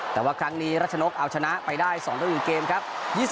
แต่ว่าครั้งนี้รัชนกเอาชนะไปได้๒ต่อ๑เกมครับ